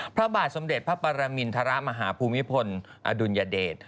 พระบาทสมเด็จพระปรมินทรมาฮภูมิพลอดุลยเดช